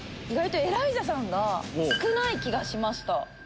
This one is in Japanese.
意外とエライザさんが少ない気がしました。